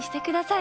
い。